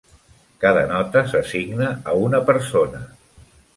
Cada nota s'assigna a una persona.